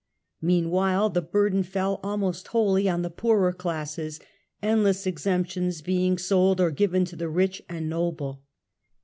Meanwhile the burden fell almost wholly on the poorer classes, endless exemptions being sold or given to the rich and noble.